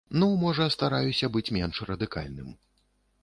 Ну, можа стараюся быць менш радыкальным.